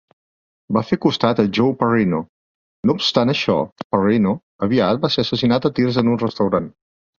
Va fer costat a Joe Parrino; no obstant això, Parrino aviat va ser assassinat a tirs en un restaurant.